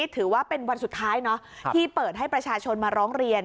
ถือว่าเป็นวันสุดท้ายที่เปิดให้ประชาชนมาร้องเรียน